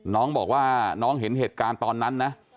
น้องบอกว่าน้องเห็นเหตุการณ์ตอนนั้นนะ